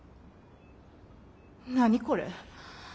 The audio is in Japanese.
何これ。